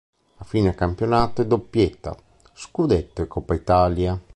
A fine campionato è doppietta: Scudetto e Coppa Italia.